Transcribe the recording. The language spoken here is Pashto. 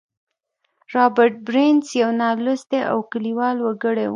رابرټ برنس يو نالوستی او کليوال وګړی و.